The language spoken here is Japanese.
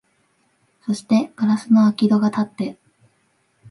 そして硝子の開き戸がたって、